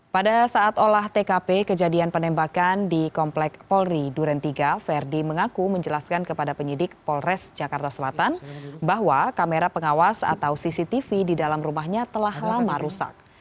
pada saat olah tkp kejadian penembakan di komplek polri duren tiga verdi mengaku menjelaskan kepada penyidik polres jakarta selatan bahwa kamera pengawas atau cctv di dalam rumahnya telah lama rusak